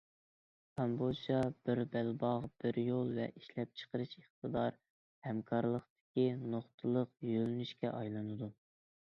كامبودژا بىر بەلباغ بىر يول ۋە ئىشلەپچىقىرىش ئىقتىدار ھەمكارلىقىدىكى نۇقتىلىق يۆلىنىشكە ئايلىنىدۇ.